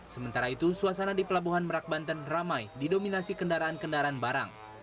sementara itu suasana di pelabuhan merak banten ramai didominasi kendaraan kendaraan barang